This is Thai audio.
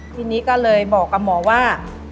ทีนี้ก็เลยบอกกับหมอว่า